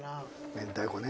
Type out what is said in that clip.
明太子ね。